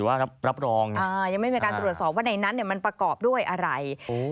เพราะฉะนั้นมันประกอบด้วยอะไร